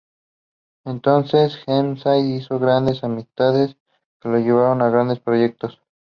Entonces Heyman hizo grandes amistades que le llevarían a grandes proyectos.